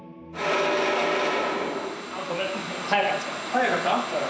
早かった？